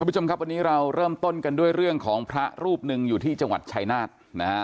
ผู้ชมครับวันนี้เราเริ่มต้นกันด้วยเรื่องของพระรูปหนึ่งอยู่ที่จังหวัดชายนาฏนะฮะ